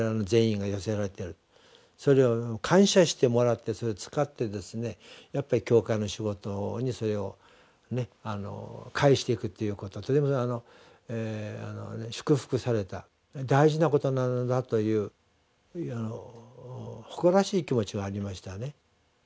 それを感謝してもらってそれを使ってやっぱり教会の仕事にそれを返していくということはとても祝福された大事なことなのだという誇らしい気持ちもありましたね。